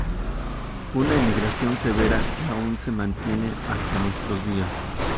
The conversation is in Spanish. Una emigración severa que aún se mantiene hasta nuestros días.